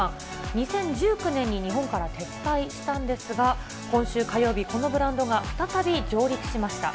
２０１９年に日本から撤退したんですが、今週火曜日、このブランドが再び上陸しました。